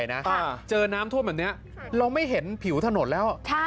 ลักษณะตรงนี้มันต้องเป็นแอ่งแน่